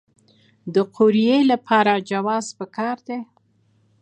د قوریې لپاره جواز پکار دی؟